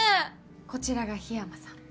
こちらが緋山さん。